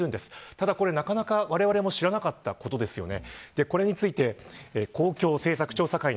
ただ、これなかなかわれわれも知らなかったことですよね。